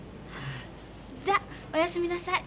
じゃあおやすみなさい。